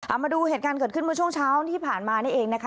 เอามาดูเหตุการณ์เกิดขึ้นเมื่อช่วงเช้าที่ผ่านมานี่เองนะคะ